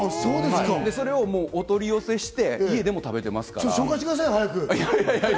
それをお取り寄せして、家でも食べてますから。